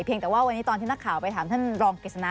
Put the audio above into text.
แต่ว่าวันนี้ตอนที่นักข่าวไปถามท่านรองกฤษณา